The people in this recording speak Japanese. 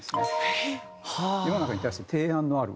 世の中に対する提案のあるもの。